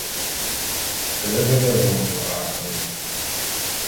Kele ve nye bômbo a kpwem.